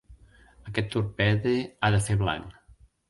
Aquest torpede ha de fer blanc.